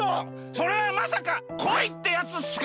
それはまさか恋ってやつっすか！？